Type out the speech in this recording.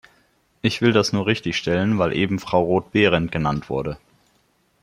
Ich will das nur richtig stellen, weil eben Frau Roth-Behrendt genannt wurde.